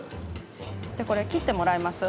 ・じゃあこれ切ってもらいます？